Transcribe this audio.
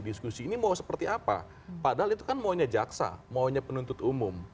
diskusi ini mau seperti apa padahal itu kan maunya jaksa maunya penuntut umum